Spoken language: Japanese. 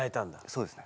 そうですね。